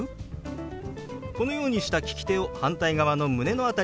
このようにした利き手を反対側の胸の辺りからこう動かします。